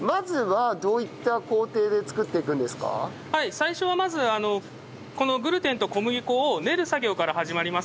最初はまずこのグルテンと小麦粉を練る作業から始まります。